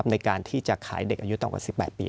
ในการที่จะขายเด็กอายุต่ำกว่า๑๘ปี